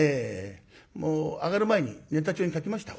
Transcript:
もう上がる前にネタ帳に書きました。